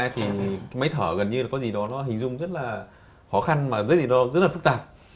thì máy thở gần như có gì đó hình dung rất là khó khăn và rất là phức tạp